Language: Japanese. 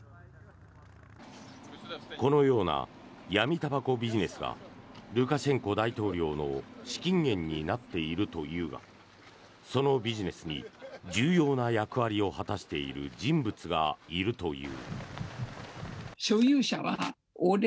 このような闇たばこビジネスがルカシェンコ大統領の資金源になっているというがそのビジネスに重要な役割を果たしている人物がいるという。